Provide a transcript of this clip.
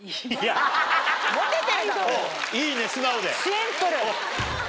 シンプル。